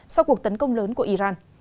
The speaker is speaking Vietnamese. sau cuộc tấn công lớn của iran